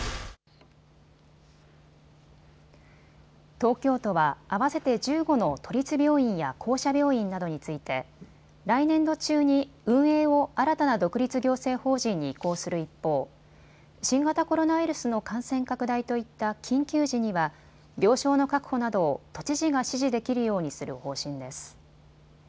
東京都は合わせて１５の都立病院や公社病院などについて来年度中に運営を新たな独立行政法人に移行する一方、新型コロナウイルスの感染拡大といった緊急時には病床の確保などを都知事が指示できるようにする方針です。